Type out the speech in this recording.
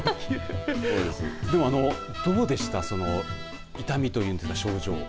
でもどうでした痛みというんでしょうか、症状。